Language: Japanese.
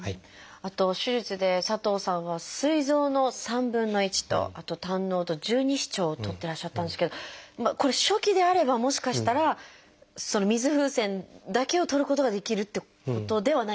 あと手術で佐藤さんはすい臓の３分の１とあと胆のうと十二指腸を取ってらっしゃったんですけどこれ初期であればもしかしたらその水風船だけを取ることができるってことではないんですか？